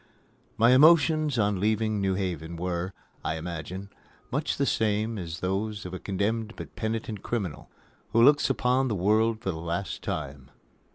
My emotions on leaving New Haven were, I imagine, much the same as those of a condemned but penitent criminal who looks upon the world for the last time.